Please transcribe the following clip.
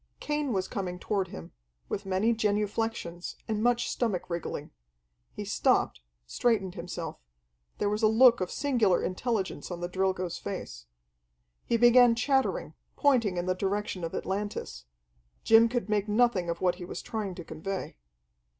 Cain was coming toward him, with many genuflexions, and much stomach wriggling. He stopped, straightened himself. There was a look of singular intelligence on the Drilgo's face. He began chattering, pointing in the direction of Atlantis. Jim could make nothing of what he was trying to convey.